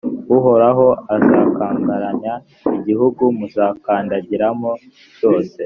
uhoraho azakangaranya igihugu muzakandagiramo cyose,